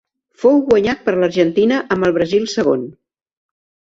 Fou guanyat per l'Argentina amb el Brasil segon.